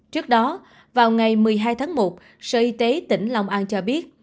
trước đó vào ngày một mươi hai tháng một sở y tế tỉnh long an cho biết